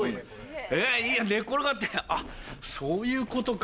えいいや寝っ転がってそういうことか。